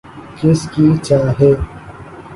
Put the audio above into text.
کس کی چاہ ہے